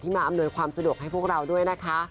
มาอำนวยความสะดวกให้พวกเราด้วยนะคะ